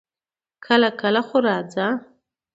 کله کله خو راځه!